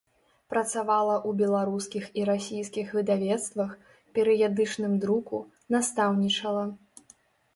Працавала ў беларускіх і расійскіх выдавецтвах, перыядычным друку, настаўнічала.